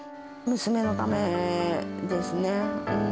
娘のためですね。